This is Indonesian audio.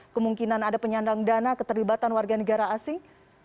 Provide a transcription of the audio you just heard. kemungkinan ada penyandang dana keterlibatan warga negara asing